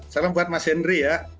salam buat mas henry ya